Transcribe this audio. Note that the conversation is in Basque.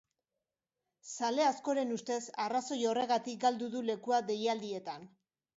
Zale askoren ustez arrazoi horregatik galdu du lekua deialdietan.